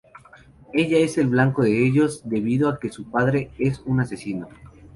Ella es el blanco de ellos, debido a que su padre es un asesino.